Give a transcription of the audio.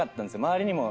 周りにも。